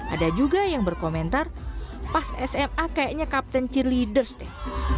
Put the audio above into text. ada juga yang berkomentar pas sma kayaknya kapten cheer leaders deh